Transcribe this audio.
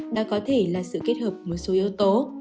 đó có thể là sự kết hợp một số yếu tố